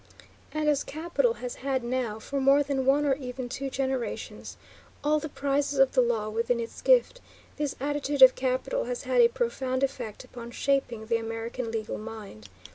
And as capital has had now, for more than one or even two generations, all the prizes of the law within its gift, this attitude of capital has had a profound effect upon shaping the American legal mind.